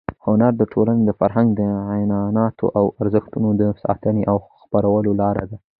هنر د ټولنې د فرهنګ، عنعناتو او ارزښتونو د ساتنې او خپرولو لار ده.